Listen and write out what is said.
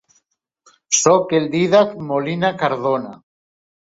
Soc el Dídac Molina Cardona.